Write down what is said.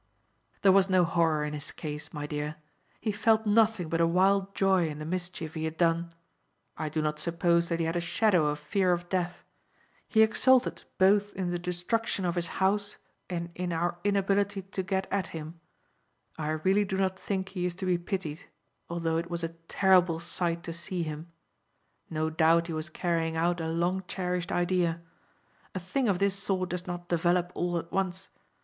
"There was no horror in his case, my dear. He felt nothing but a wild joy in the mischief he had done. I do not suppose that he had a shadow of fear of death. He exulted both in the destruction of his house and in our inability to get at him. I really do not think he is to be pitied, although it was a terrible sight to see him. No doubt he was carrying out a long cherished idea. A thing of this sort does not develop all at once.